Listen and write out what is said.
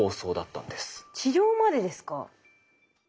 治療までですか？